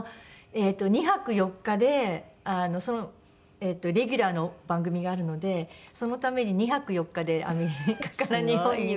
２泊４日でレギュラーの番組があるのでそのために２泊４日でアメリカから日本に通っておりましたけど。